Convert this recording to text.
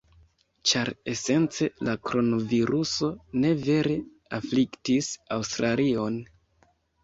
ĉar esence la kronviruso ne vere afliktis Aŭstralion.